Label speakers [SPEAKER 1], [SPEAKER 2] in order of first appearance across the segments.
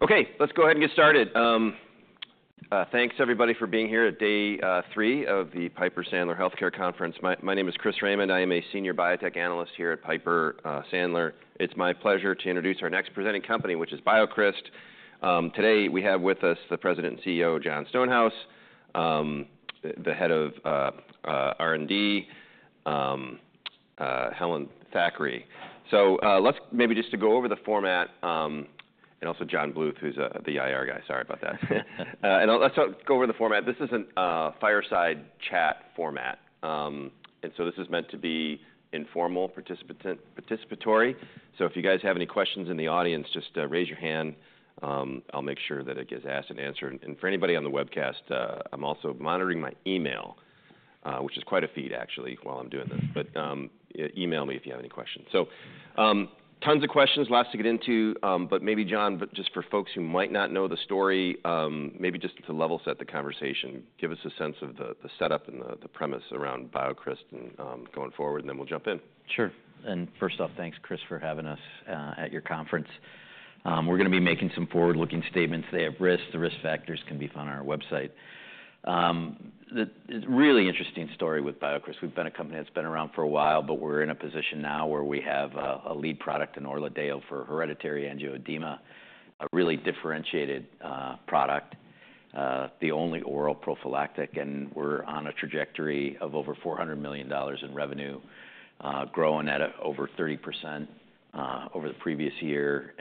[SPEAKER 1] Okay, let's go ahead and get started. Thanks, everybody, for being here at Day 3 of the Piper Sandler Healthcare Conference. My name is Chris Raymond. I am a senior biotech analyst here at Piper Sandler. It's my pleasure to introduce our next presenting company, which is BioCryst. Today, we have with us the President and CEO, Jon Stonehouse, the Head of R&D, Helen Thackray, so let's maybe just go over the format, and also John Bluth, who's the IR guy. Sorry about that, and let's go over the format. This is a fireside chat format, and so this is meant to be informal, participatory. So if you guys have any questions in the audience, just raise your hand. I'll make sure that it gets asked and answered. And for anybody on the webcast, I'm also monitoring my email, which is quite a feed, actually, while I'm doing this. But email me if you have any questions. So tons of questions, lots to get into. But maybe, Jon, just for folks who might not know the story, maybe just to level set the conversation, give us a sense of the setup and the premise around BioCryst and going forward, and then we'll jump in.
[SPEAKER 2] Sure. And first off, thanks, Chris, for having us at your conference. We're going to be making some forward-looking statements today of risk. The risk factors can be found on our website. Really interesting story with BioCryst. We've been a company that's been around for a while, but we're in a position now where we have a lead product in ORLADEYO for hereditary angioedema, a really differentiated product, the only oral prophylactic. And we're on a trajectory of over $400 million in revenue, growing at over 30% over the previous year.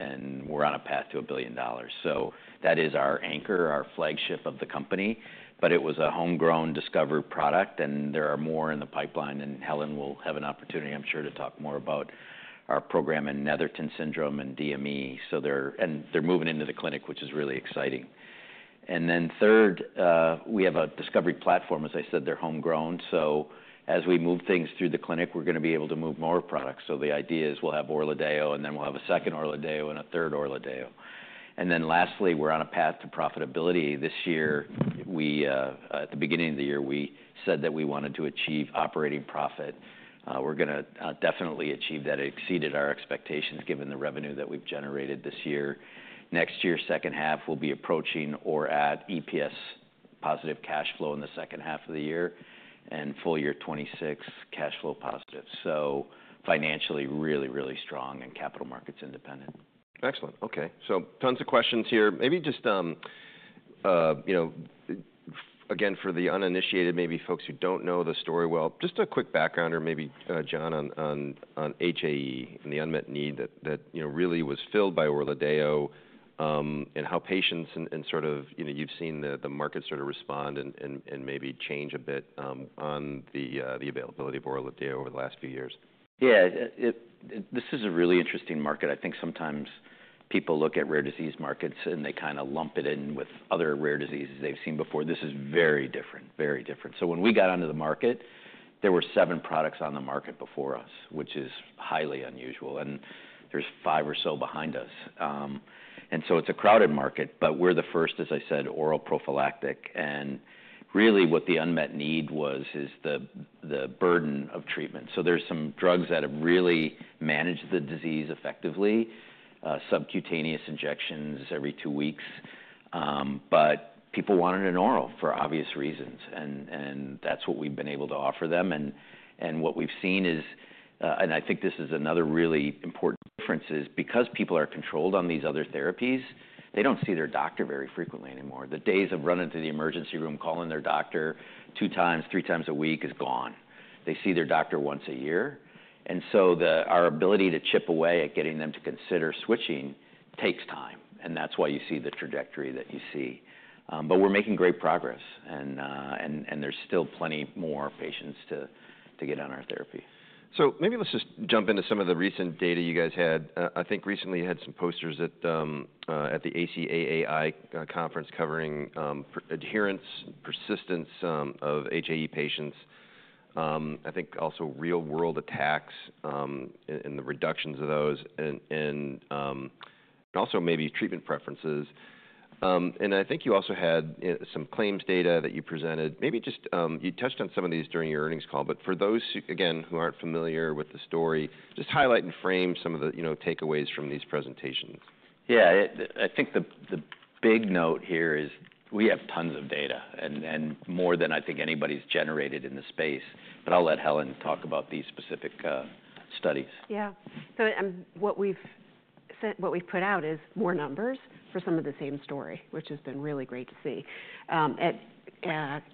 [SPEAKER 2] And we're on a path to $1 billion. So that is our anchor, our flagship of the company. But it was a homegrown, discovered product. And there are more in the pipeline. And Helen will have an opportunity, I'm sure, to talk more about our program in Netherton syndrome and DME. And they're moving into the clinic, which is really exciting. And then third, we have a discovery platform. As I said, they're homegrown. So as we move things through the clinic, we're going to be able to move more products. So the idea is we'll have ORLADEYO, and then we'll have a second ORLADEYO and a third ORLADEYO. And then lastly, we're on a path to profitability. This year, at the beginning of the year, we said that we wanted to achieve operating profit. We're going to definitely achieve that. It exceeded our expectations, given the revenue that we've generated this year. Next year's second half, we'll be approaching or at EPS positive cash flow in the second half of the year, and full year 2026 cash flow positive. So financially, really, really strong and capital markets independent.
[SPEAKER 1] Excellent. Okay. So tons of questions here. Maybe just, again, for the uninitiated, maybe folks who don't know the story well, just a quick background, or maybe, Jon, on HAE and the unmet need that really was filled by ORLADEYO, and how patients and sort of you've seen the market sort of respond and maybe change a bit on the availability of ORLADEYO over the last few years.
[SPEAKER 2] Yeah. This is a really interesting market. I think sometimes people look at rare disease markets, and they kind of lump it in with other rare diseases they've seen before. This is very different, very different. So when we got onto the market, there were seven products on the market before us, which is highly unusual. And there's five or so behind us. And so it's a crowded market. But we're the first, as I said, oral prophylactic. And really, what the unmet need was is the burden of treatment. So there's some drugs that have really managed the disease effectively, subcutaneous injections every two weeks. But people wanted an oral for obvious reasons. And that's what we've been able to offer them. And what we've seen is, and I think this is another really important difference, is because people are controlled on these other therapies, they don't see their doctor very frequently anymore. The days of running to the emergency room, calling their doctor two times, three times a week is gone. They see their doctor once a year. And so our ability to chip away at getting them to consider switching takes time. And that's why you see the trajectory that you see. But we're making great progress. And there's still plenty more patients to get on our therapy.
[SPEAKER 1] So maybe let's just jump into some of the recent data you guys had. I think recently you had some posters at the ACAAI conference covering adherence, persistence of HAE patients. I think also real-world attacks and the reductions of those, and also maybe treatment preferences. And I think you also had some claims data that you presented. Maybe just you touched on some of these during your earnings call. But for those, again, who aren't familiar with the story, just highlight and frame some of the takeaways from these presentations.
[SPEAKER 2] Yeah. I think the big note here is we have tons of data, and more than I think anybody's generated in the space. But I'll let Helen talk about these specific studies.
[SPEAKER 3] Yeah. So what we've put out is more numbers for some of the same story, which has been really great to see. At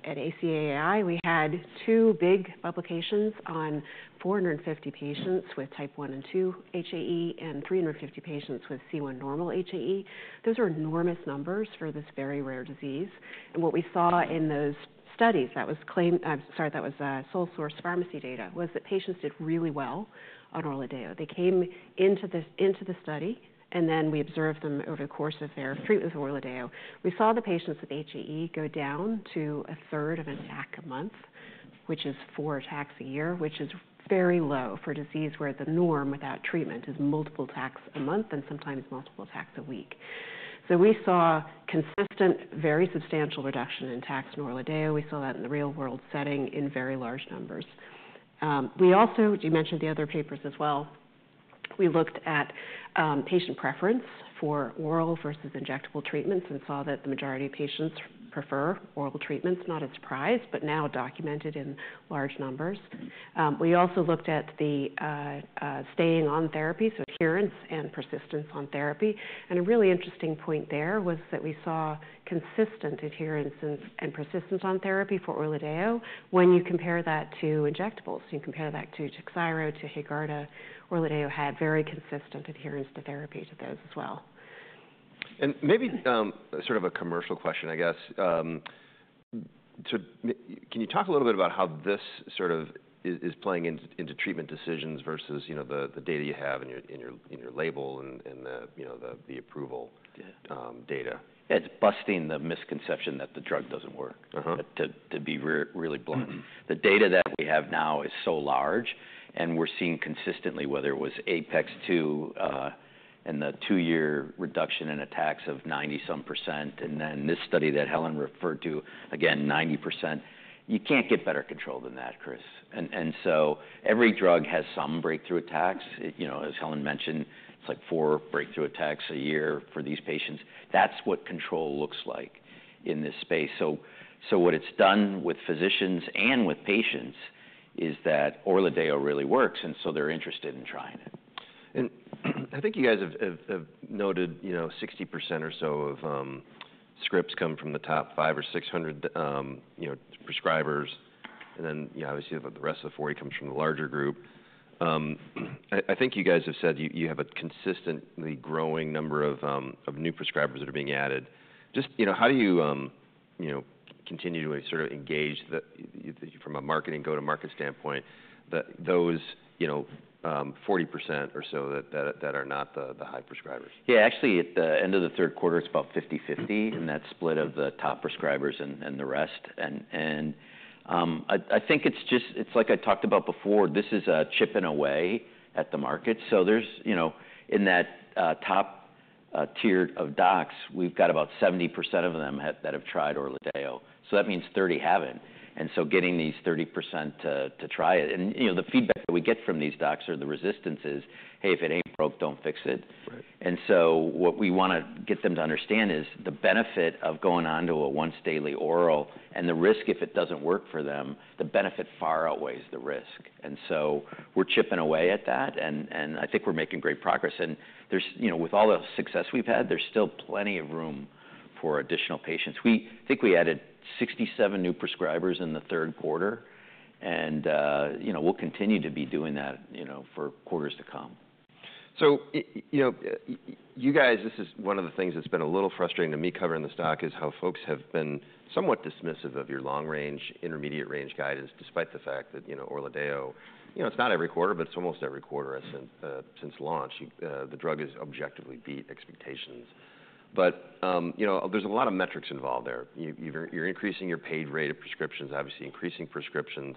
[SPEAKER 3] ACAAI, we had two big publications on 450 patients with type 1 and 2 HAE and 350 patients with C1 normal HAE. Those are enormous numbers for this very rare disease. And what we saw in those studies that was claimed, sorry, that was Sole Source Pharmacy data, was that patients did really well on ORLADEYO. They came into the study, and then we observed them over the course of their treatment with ORLADEYO. We saw the patients with HAE go down to a third of an attack a month, which is four attacks a year, which is very low for a disease where the norm without treatment is multiple attacks a month and sometimes multiple attacks a week. So we saw consistent, very substantial reduction in attacks in ORLADEYO. We saw that in the real-world setting in very large numbers. We also, you mentioned the other papers as well, we looked at patient preference for oral versus injectable treatments and saw that the majority of patients prefer oral treatments, not a surprise, but now documented in large numbers. We also looked at the staying on therapy, so adherence and persistence on therapy. And a really interesting point there was that we saw consistent adherence and persistence on therapy for ORLADEYO when you compare that to injectables. You compare that to Takhzyro, to Haegarda, ORLADEYO had very consistent adherence to therapy to those as well.
[SPEAKER 1] Maybe sort of a commercial question, I guess. Can you talk a little bit about how this sort of is playing into treatment decisions versus the data you have in your label and the approval data?
[SPEAKER 2] Yeah. It's busting the misconception that the drug doesn't work, to be really blunt. The data that we have now is so large. And we're seeing consistently, whether it was APeX-2 and the two-year reduction in attacks of 90-some %, and then this study that Helen referred to, again, 90%. You can't get better control than that, Chris. And so every drug has some breakthrough attacks. As Helen mentioned, it's like four breakthrough attacks a year for these patients. That's what control looks like in this space. So what it's done with physicians and with patients is that ORLADEYO really works. And so they're interested in trying it.
[SPEAKER 1] I think you guys have noted 60% or so of scripts come from the top 500 or 600 prescribers. Then obviously, the rest of the 40 comes from the larger group. I think you guys have said you have a consistently growing number of new prescribers that are being added. Just how do you continue to sort of engage from a marketing go-to-market standpoint those 40% or so that are not the high prescribers?
[SPEAKER 2] Yeah. Actually, at the end of the third quarter, it's about 50/50 in that split of the top prescribers and the rest. And I think it's just, it's like I talked about before, this is a chip and away at the market. So in that top tier of docs, we've got about 70% of them that have tried ORLADEYO. So that means 30% haven't. And so getting these 30% to try it, and the feedback that we get from these docs or the resistance is, hey, if it ain't broke, don't fix it. And so what we want to get them to understand is the benefit of going on to a once-daily oral and the risk if it doesn't work for them, the benefit far outweighs the risk. And so we're chipping away at that. And I think we're making great progress. With all the success we've had, there's still plenty of room for additional patients. We think we added 67 new prescribers in the third quarter. We'll continue to be doing that for quarters to come.
[SPEAKER 1] So you guys, this is one of the things that's been a little frustrating to me covering the stock, is how folks have been somewhat dismissive of your long-range, intermediate-range guidance, despite the fact that ORLADEYO, it's not every quarter, but it's almost every quarter since launch. The drug has objectively beat expectations. But there's a lot of metrics involved there. You're increasing your paid rate of prescriptions, obviously increasing prescriptions.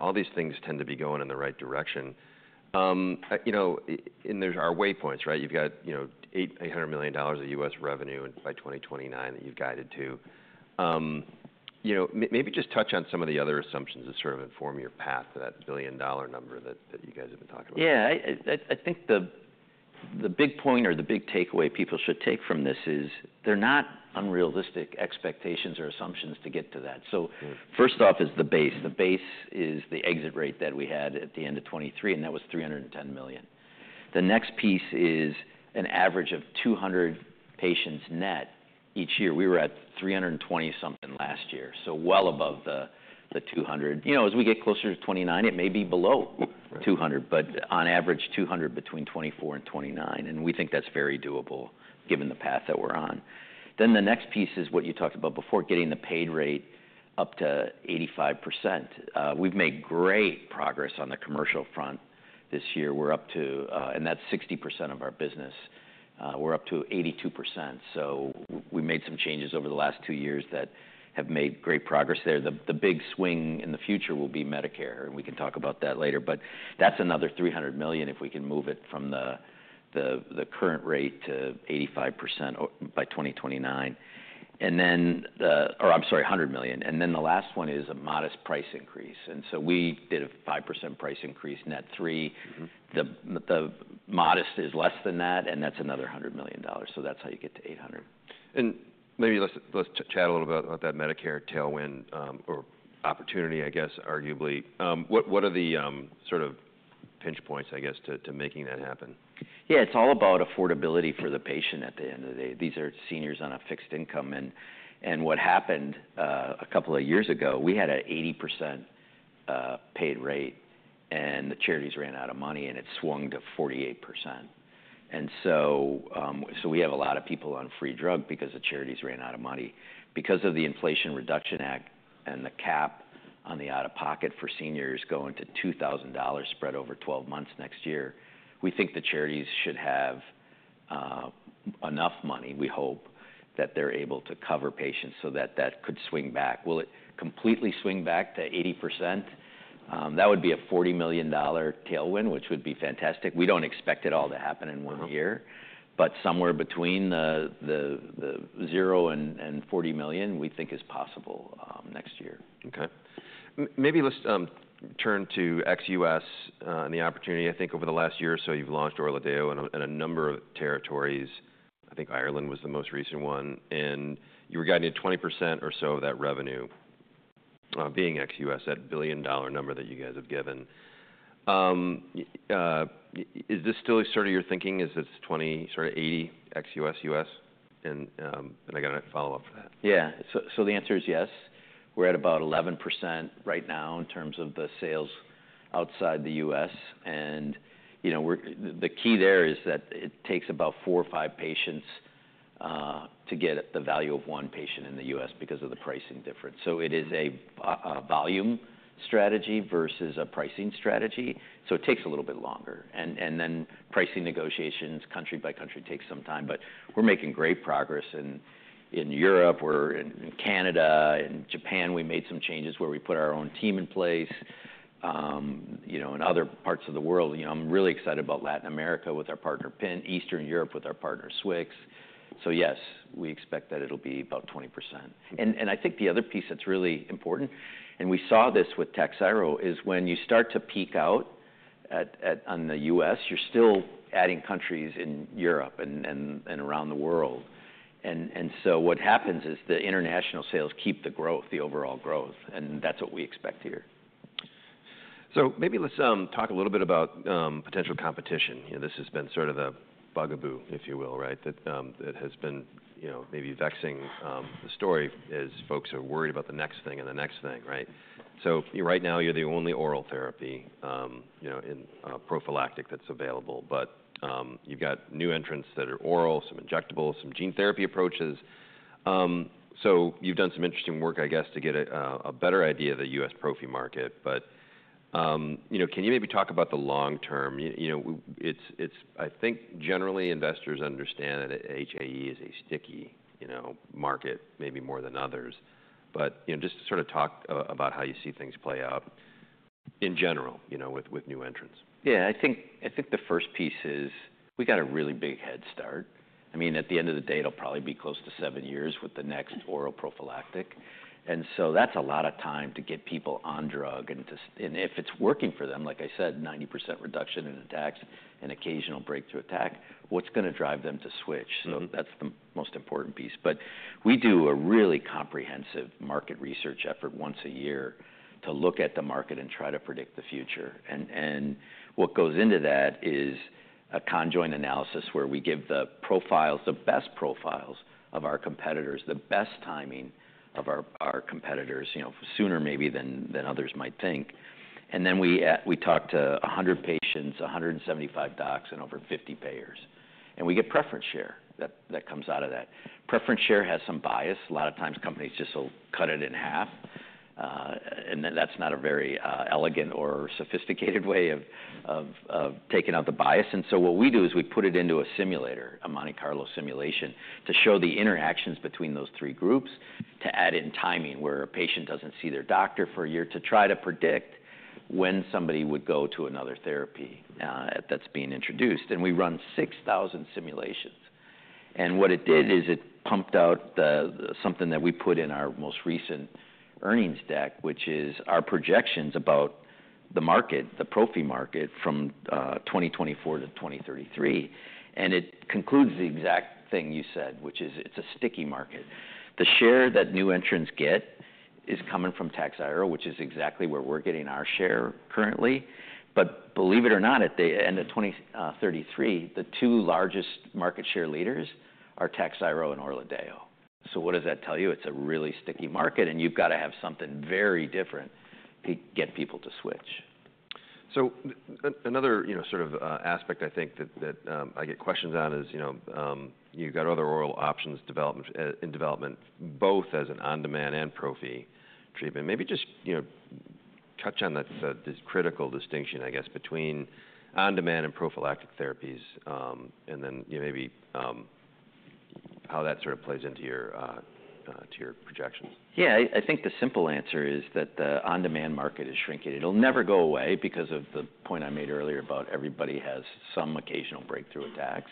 [SPEAKER 1] All these things tend to be going in the right direction. And there are waypoints, right? You've got $800 million of U.S. revenue by 2029 that you've guided to. Maybe just touch on some of the other assumptions to sort of inform your path to that billion-dollar number that you guys have been talking about.
[SPEAKER 2] Yeah. I think the big point or the big takeaway people should take from this is they're not unrealistic expectations or assumptions to get to that. So first off is the base. The base is the exit rate that we had at the end of 2023, and that was $310 million. The next piece is an average of 200 patients net each year. We were at 320-something last year, so well above the 200. As we get closer to 2029, it may be below 200, but on average, 200 between 2024 and 2029. And we think that's very doable given the path that we're on. Then the next piece is what you talked about before, getting the paid rate up to 85%. We've made great progress on the commercial front this year. And that's 60% of our business. We're up to 82%. So we made some changes over the last two years that have made great progress there. The big swing in the future will be Medicare. And we can talk about that later. But that's another $300 million if we can move it from the current rate to 85% by 2029. And then, or I'm sorry, $100 million. And then the last one is a modest price increase. And so we did a 5% price increase net three. The modest is less than that, and that's another $100 million. So that's how you get to $800 million.
[SPEAKER 1] Maybe let's chat a little bit about that Medicare tailwind or opportunity, I guess, arguably. What are the sort of pinch points, I guess, to making that happen?
[SPEAKER 2] Yeah. It's all about affordability for the patient at the end of the day. These are seniors on a fixed income. And what happened a couple of years ago, we had an 80% paid rate. And the charities ran out of money, and it swung to 48%. And so we have a lot of people on free drug because the charities ran out of money. Because of the Inflation Reduction Act and the cap on the out-of-pocket for seniors going to $2,000 spread over 12 months next year, we think the charities should have enough money, we hope, that they're able to cover patients so that that could swing back. Will it completely swing back to 80%? That would be a $40 million tailwind, which would be fantastic. We don't expect it all to happen in one year. But somewhere between the $0 and $40 million, we think is possible next year.
[SPEAKER 1] Okay. Maybe let's turn to XUS and the opportunity. I think over the last year or so, you've launched ORLADEYO in a number of territories. I think Ireland was the most recent one. And you were guiding at 20% or so of that revenue, being XUS, that billion-dollar number that you guys have given. Is this still sort of your thinking? Is this 20%, sort of 80% XUS U.S.? And I got a follow-up for that.
[SPEAKER 2] Yeah, so the answer is yes. We're at about 11% right now in terms of the sales outside the U.S. And the key there is that it takes about four or five patients to get the value of one patient in the U.S. because of the pricing difference. So it is a volume strategy versus a pricing strategy. So it takes a little bit longer. And then pricing negotiations country by country take some time. But we're making great progress in Europe. We're in Canada. In Japan, we made some changes where we put our own team in place. In other parts of the world, I'm really excited about Latin America with our partner Pint, Eastern Europe with our partner Swixx. So yes, we expect that it'll be about 20%. I think the other piece that's really important, and we saw this with Takhzyro, is when you start to peak out on the U.S., you're still adding countries in Europe and around the world. And so what happens is the international sales keep the growth, the overall growth. And that's what we expect here.
[SPEAKER 1] So maybe let's talk a little bit about potential competition. This has been sort of the bugaboo, if you will, right, that has been maybe vexing the story as folks are worried about the next thing and the next thing, right? So right now, you're the only oral therapy prophylactic that's available. But you've got new entrants that are oral, some injectables, some gene therapy approaches. So you've done some interesting work, I guess, to get a better idea of the U.S. prophy market. But can you maybe talk about the long term? I think generally investors understand that HAE is a sticky market, maybe more than others. But just sort of talk about how you see things play out in general with new entrants.
[SPEAKER 2] Yeah. I think the first piece is we got a really big head start. I mean, at the end of the day, it'll probably be close to seven years with the next oral prophylactic. And so that's a lot of time to get people on drug. And if it's working for them, like I said, 90% reduction in attacks and occasional breakthrough attack, what's going to drive them to switch? So that's the most important piece. But we do a really comprehensive market research effort once a year to look at the market and try to predict the future. And what goes into that is a conjoint analysis where we give the profiles, the best profiles of our competitors, the best timing of our competitors, sooner maybe than others might think. And then we talk to 100 patients, 175 docs, and over 50 payers. And we get preference share that comes out of that. Preference share has some bias. A lot of times, companies just will cut it in half. And that's not a very elegant or sophisticated way of taking out the bias. And so what we do is we put it into a simulator, a Monte Carlo simulation, to show the interactions between those three groups, to add in timing where a patient doesn't see their doctor for a year to try to predict when somebody would go to another therapy that's being introduced. And we run 6,000 simulations. And what it did is it pumped out something that we put in our most recent earnings deck, which is our projections about the market, the prophy market from 2024-2033. And it concludes the exact thing you said, which is it's a sticky market. The share that new entrants get is coming from Takhzyro, which is exactly where we're getting our share currently. But believe it or not, at the end of 2033, the two largest market share leaders are Takhzyro and ORLADEYO. So what does that tell you? It's a really sticky market. And you've got to have something very different to get people to switch.
[SPEAKER 1] Another sort of aspect I think that I get questions on is you've got other oral options in development, both as an on-demand and prophylactic treatment. Maybe just touch on this critical distinction, I guess, between on-demand and prophylactic therapies and then maybe how that sort of plays into your projections.
[SPEAKER 2] Yeah. I think the simple answer is that the on-demand market is shrinking. It'll never go away because of the point I made earlier about everybody has some occasional breakthrough attacks.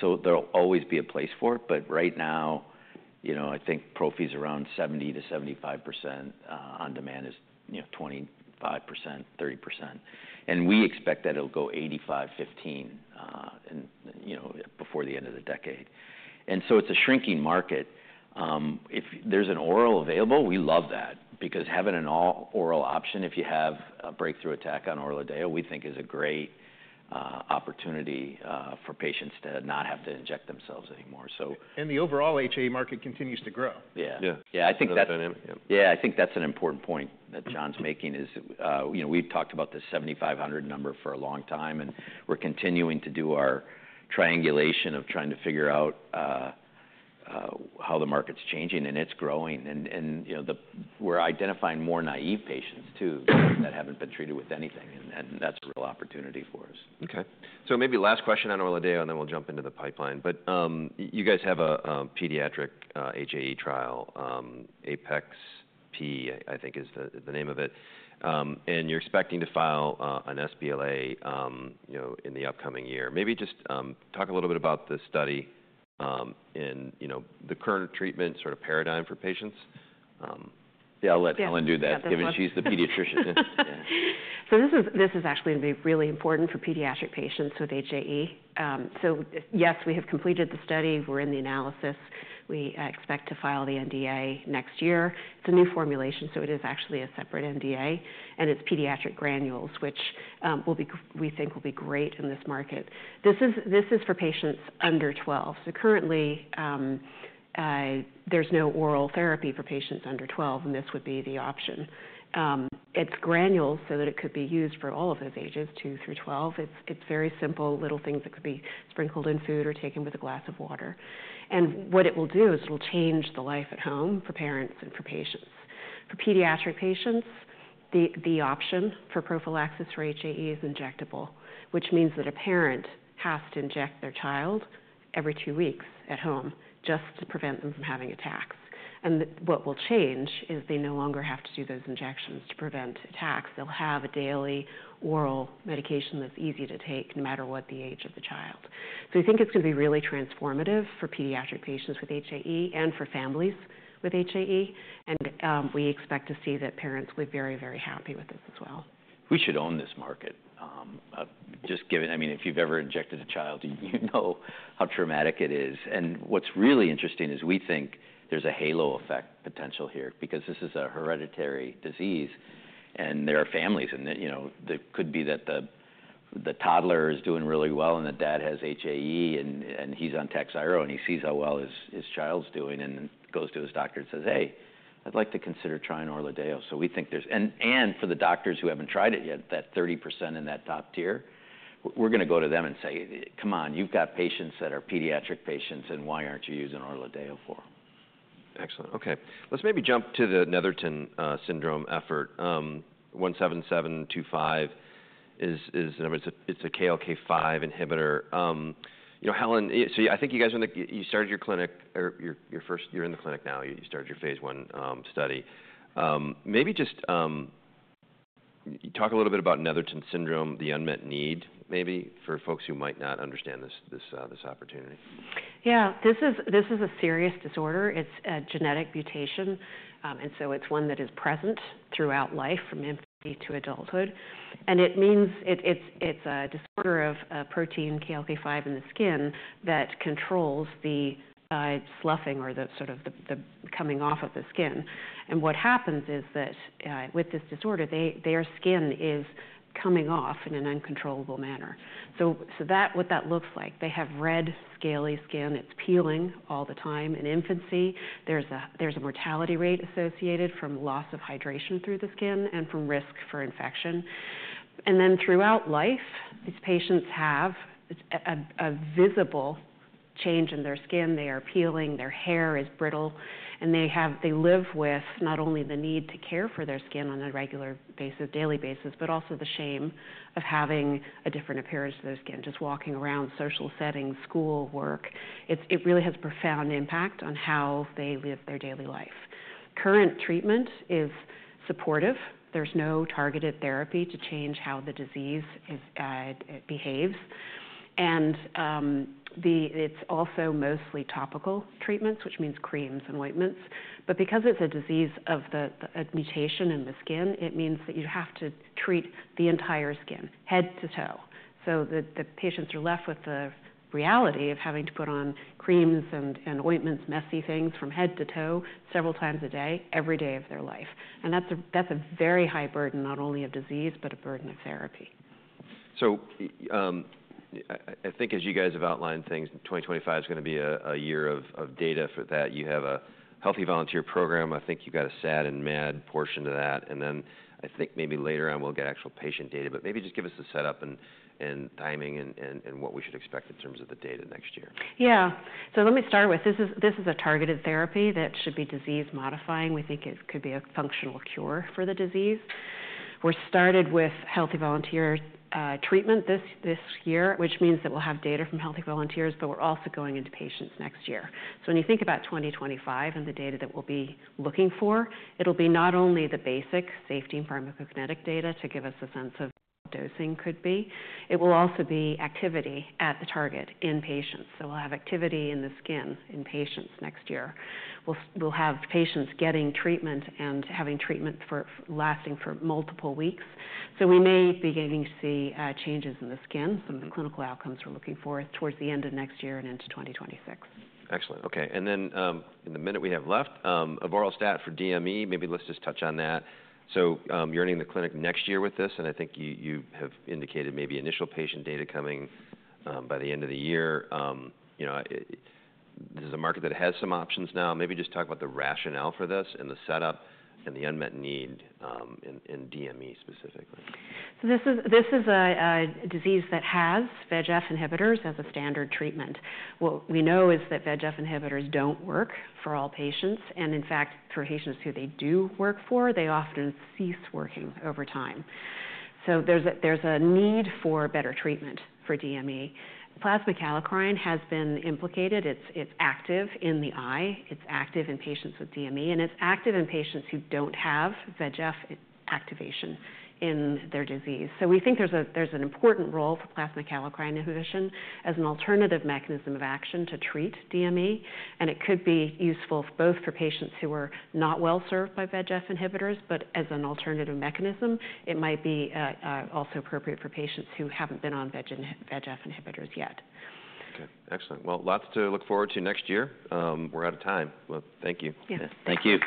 [SPEAKER 2] So there'll always be a place for it. But right now, I think prophy is around 70%-75%. On-demand is 25%-30%, and we expect that it'll go 85%-15% before the end of the decade, and so it's a shrinking market. If there's an oral available, we love that. Because having an oral option, if you have a breakthrough attack on ORLADEYO, we think is a great opportunity for patients to not have to inject themselves anymore. So.
[SPEAKER 1] The overall HAE market continues to grow.
[SPEAKER 2] Yeah. Yeah. I think that's.
[SPEAKER 1] That's dynamic.
[SPEAKER 2] Yeah. I think that's an important point that Jon's making is we've talked about the 7,500 number for a long time. And we're continuing to do our triangulation of trying to figure out how the market's changing. And it's growing. And we're identifying more naive patients too that haven't been treated with anything. And that's a real opportunity for us.
[SPEAKER 1] Okay. So, maybe last question on ORLADEYO, and then we'll jump into the pipeline. But you guys have a pediatric HAE trial, APeX-P, I think is the name of it. And you're expecting to file an sBLA in the upcoming year. Maybe just talk a little bit about the study and the current treatment sort of paradigm for patients.
[SPEAKER 2] Yeah. I'll let Helen do that, given she's the pediatrician.
[SPEAKER 3] So this is actually going to be really important for pediatric patients with HAE. So yes, we have completed the study. We're in the analysis. We expect to file the NDA next year. It's a new formulation, so it is actually a separate NDA. And it's pediatric granules, which we think will be great in this market. This is for patients under 12. So currently, there's no oral therapy for patients under 12, and this would be the option. It's granules so that it could be used for all of those ages, two through 12. It's very simple, little things that could be sprinkled in food or taken with a glass of water. And what it will do is it'll change the life at home for parents and for patients. For pediatric patients, the option for prophylaxis for HAE is injectable, which means that a parent has to inject their child every two weeks at home just to prevent them from having attacks. And what will change is they no longer have to do those injections to prevent attacks. They'll have a daily oral medication that's easy to take no matter what the age of the child. So we think it's going to be really transformative for pediatric patients with HAE and for families with HAE. And we expect to see that parents will be very, very happy with this as well.
[SPEAKER 2] We should own this market. I mean, if you've ever injected a child, you know how traumatic it is, and what's really interesting is we think there's a halo effect potential here because this is a hereditary disease, and there are families, and it could be that the toddler is doing really well and the dad has HAE and he's on Takhzyro and he sees how well his child's doing and then goes to his doctor and says, "Hey, I'd like to consider trying ORLADEYO." So we think there's, and for the doctors who haven't tried it yet, that 30% in that top tier, we're going to go to them and say, "Come on, you've got patients that are pediatric patients. And why aren't you using ORLADEYO for them?
[SPEAKER 1] Excellent. Okay. Let's maybe jump to the Netherton syndrome effort. 17725 is a KLK5 inhibitor. Helen, so I think you guys are in the clinic now. You started your Phase I study. Maybe just talk a little bit about Netherton syndrome, the unmet need maybe for folks who might not understand this opportunity.
[SPEAKER 3] Yeah. This is a serious disorder. It's a genetic mutation and so it's one that is present throughout life from infancy to adulthood and it means it's a disorder of protein KLK5 in the skin that controls the sloughing or the sort of the coming off of the skin and what happens is that with this disorder, their skin is coming off in an uncontrollable manner so what that looks like, they have red, scaly skin. It's peeling all the time. In infancy, there's a mortality rate associated from loss of hydration through the skin and from risk for infection and then throughout life, these patients have a visible change in their skin. They are peeling. Their hair is brittle. They live with not only the need to care for their skin on a regular basis, daily basis, but also the shame of having a different appearance to their skin, just walking around, social settings, school, work. It really has a profound impact on how they live their daily life. Current treatment is supportive. There's no targeted therapy to change how the disease behaves. It's also mostly topical treatments, which means creams and ointments. Because it's a disease of a mutation in the skin, it means that you have to treat the entire skin head to toe. The patients are left with the reality of having to put on creams and ointments, messy things from head to toe several times a day, every day of their life. That's a very high burden, not only of disease, but a burden of therapy.
[SPEAKER 1] So I think as you guys have outlined things, 2025 is going to be a year of data for that. You have a healthy volunteer program. I think you've got a SAD and MAD portion to that. And then I think maybe later on we'll get actual patient data. But maybe just give us the setup and timing and what we should expect in terms of the data next year.
[SPEAKER 3] Yeah. So let me start with this is a targeted therapy that should be disease modifying. We think it could be a functional cure for the disease. We've started with healthy volunteer treatment this year, which means that we'll have data from healthy volunteers, but we're also going into patients next year. So when you think about 2025 and the data that we'll be looking for, it'll be not only the basic safety and pharmacokinetic data to give us a sense of what dosing could be. It will also be activity at the target in patients. So we'll have activity in the skin in patients next year. We'll have patients getting treatment and having treatment lasting for multiple weeks. So we may be beginning to see changes in the skin, some of the clinical outcomes we're looking for towards the end of next year and into 2026.
[SPEAKER 1] Excellent. Okay. And then in the minute we have left, Avoralstat for DME. Maybe let's just touch on that. So you're in the clinic next year with this. And I think you have indicated maybe initial patient data coming by the end of the year. This is a market that has some options now. Maybe just talk about the rationale for this and the setup and the unmet need in DME specifically.
[SPEAKER 3] So this is a disease that has VEGF inhibitors as a standard treatment. What we know is that VEGF inhibitors don't work for all patients. And in fact, for patients who they do work for, they often cease working over time. So there's a need for better treatment for DME. Plasma kallikrein has been implicated. It's active in the eye. It's active in patients with DME. And it's active in patients who don't have VEGF activation in their disease. So we think there's an important role for plasma kallikrein inhibition as an alternative mechanism of action to treat DME. And it could be useful both for patients who are not well served by VEGF inhibitors, but as an alternative mechanism, it might be also appropriate for patients who haven't been on VEGF inhibitors yet.
[SPEAKER 1] Okay. Excellent. Well, lots to look forward to next year. We're out of time. But thank you.
[SPEAKER 3] Yeah. Thank you.